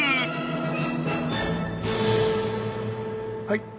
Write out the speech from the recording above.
はい！